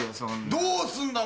どうすんだ？